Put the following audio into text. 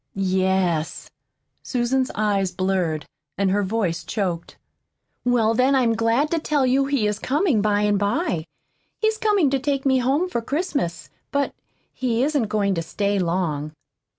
"Yes." Susan's eyes blurred, and her voice choked. "Well, then I'm glad to tell you he is coming by and by. He's coming to take me home for Christmas. But he isn't going to stay long."